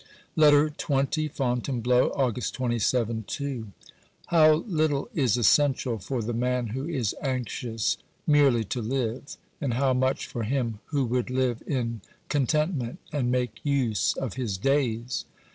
LETTER XX FONTAINEBLEAU, August TJ (II). How little is essential for the man who is anxious, merely to live, and how much for him who would live in content ment and make use of his days